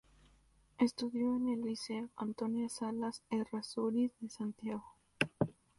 Estudió en el Liceo Antonia Salas Errázuriz de Santiago.